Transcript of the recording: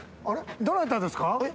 どなたですか？